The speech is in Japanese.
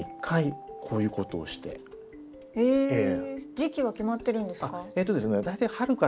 時期は決まってるんですか？